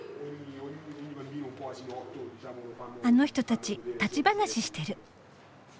あの人たち立ち話してる。